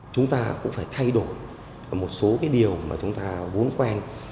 chúng ta cũng phải thay đổi một số cái điều mà chúng ta muốn quen